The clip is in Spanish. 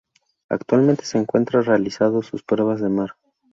Actualmente se encuentra realizando sus pruebas de mar.